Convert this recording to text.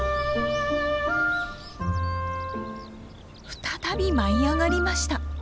再び舞い上がりました！